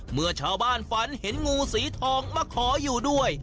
เมื่อชาวบ้านฝันเห็นงูสีทองมาขออยู่ด้วย